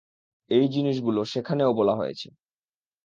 এই জিনিসগুলো সেখানেও বলা হয়েছে।